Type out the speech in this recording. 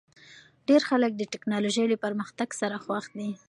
ډېر خلک د ټکنالوژۍ له پرمختګ سره خوښ دي.